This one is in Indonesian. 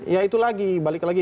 ya itu lagi balik lagi